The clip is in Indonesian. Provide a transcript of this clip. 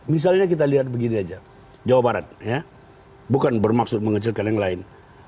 misalnya kita lihat begini aja jawa barat ya bukan bermaksud mengecilkan yang lain